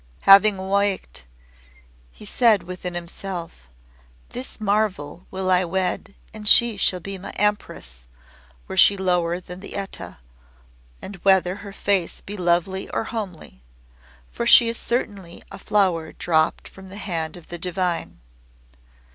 Having waked, he said within himself "This marvel will I wed and she shall be my Empress were she lower than the Eta, and whether her face be lovely or homely. For she is certainly a flower dropped from the hand of the Divine."